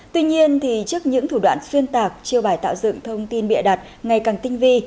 tuy nhiên trước những thủ đoạn xuyên tạc chiêu bài tạo dựng thông tin bịa đặt ngày càng tinh vi